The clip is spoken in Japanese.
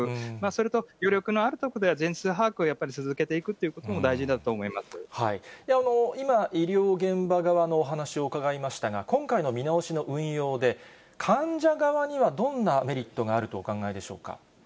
それと、余力のある所では、全数把握をやっぱり続けていくということも大今、医療現場側のお話を伺いましたが、今回の見直しの運用で、患者側にはどんなメリットがあるとお考えでしょうか？